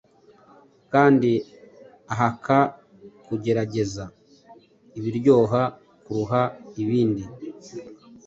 kandi ahaka kugerageza ibiryoha kuruha ibindi